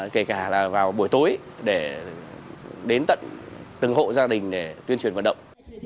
kể cả là vào buổi tối để đến tận từng hộ gia đình để tuyên truyền vận động